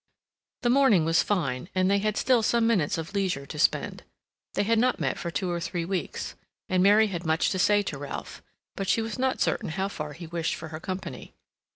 The morning was fine, and they had still some minutes of leisure to spend. They had not met for two or three weeks, and Mary had much to say to Ralph; but she was not certain how far he wished for her company.